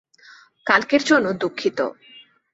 কালকের জন্য দুঃখিত।